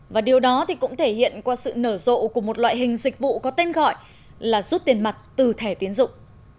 và điều đó thì cũng thể hiện qua sự nở rộ của một loại hình dịch vụ có tên gọi là rút tiền mặt từ thẻ tiến dụng